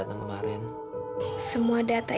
kau bikin aku capek gitu